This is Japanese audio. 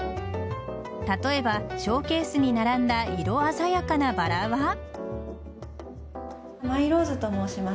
例えば、ショーケースに並んだ色鮮やかなバラは。